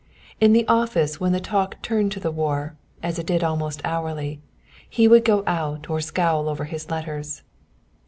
In the office when the talk turned to the war, as it did almost hourly, he would go out or scowl over his letters.